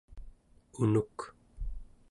unuk